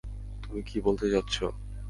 তুমি কি বলতে চাচ্ছ?